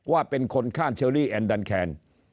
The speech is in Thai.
ว่าเป็นคนข้างเชอรี่แอนดันแคน